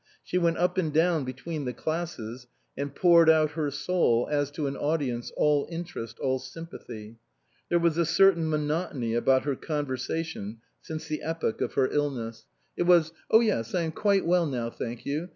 She went up and down between the classes and poured out her soul as to an audience all interest, all sympathy. There was a certain monotony about her con ersvation since the epoch of her illness. It 250 SPRING FASHIONS was, " Oh yes, I am quite well now, thank you.